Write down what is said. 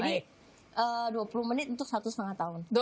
jadi dua puluh menit untuk satu setengah tahun